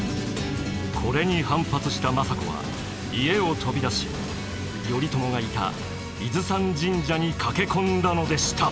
これに反発した政子は家を飛び出し頼朝がいた伊豆山神社に駆け込んだのでした。